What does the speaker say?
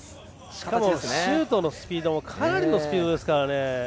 しかもシュートスピードもかなりのスピードです。